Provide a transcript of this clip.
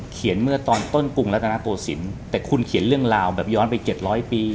เขียนเมื่อตอนต้นกรุงและตนาตัวสินแต่คุณเขียนเรื่องราวแบบย้อนไปเจ็ดร้อยปี